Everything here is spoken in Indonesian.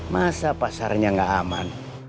masa pasarnya gak aman